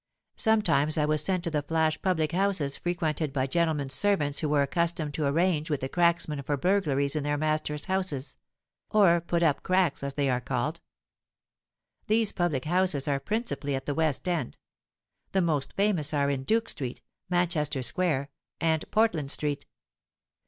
Sometimes I was sent to the flash public houses frequented by gentlemen's servants who were accustomed to arrange with the cracksmen for burglaries in their master's houses—or 'put up cracks,' as they are called. These public houses are principally at the West End:—the most famous are in Duke Street (Manchester Square), and Portland Street.